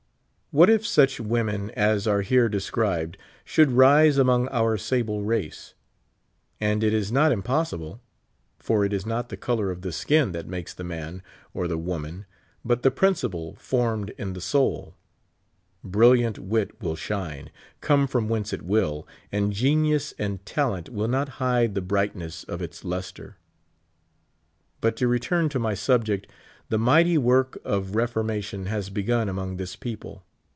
What if such women as are here described should rise among our sable race? And it is not impossible ; for it is not the color of the skin that makes the man or the woman, but the principle formed in the soul. Brilliant wit will shine, come from whence it will ; and genius and talent will not hide the brightness of its lustre. But to return to my subject. The mighty work of fp formation has begun among this people.